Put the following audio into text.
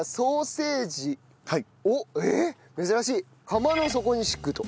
釜の底に敷くと。